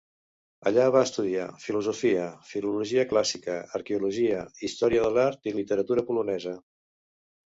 Allà va estudiar filosofia, filologia clàssica, arqueologia, història de l'art i literatura polonesa.